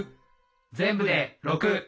全部で６。